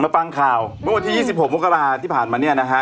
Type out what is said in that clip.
มาฟังข่าวเมื่อวันที่๒๖โมกราศที่ผ่านมา